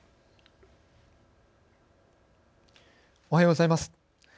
おはようございます。